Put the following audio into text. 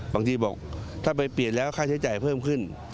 บางทีบอกถ้าไปเปลี่ยนแล้วค่าใช้จ่ายเพิ่มขึ้น